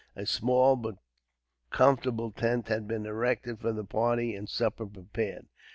A small but comfortable tent had been erected for the party, and supper prepared.